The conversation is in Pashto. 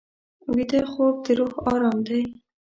ویده خوب د روح ارام دی